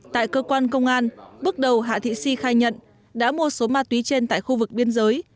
tại cơ quan công an bước đầu hạ thị si khai nhận đã mua số ma túy trên tại khu vực biên giới